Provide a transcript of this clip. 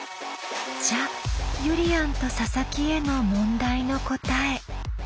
じゃゆりやんと佐々木への問題の答え。